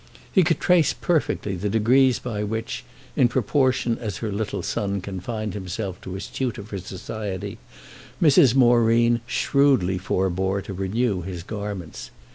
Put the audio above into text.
He could trace perfectly the degrees by which, in proportion as her little son confined himself to his tutor for society, Mrs. Moreen shrewdly forbore to renew his garments.